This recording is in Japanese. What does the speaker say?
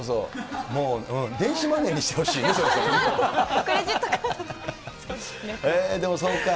もう、電子マネーにしてほしいね、そろそろね。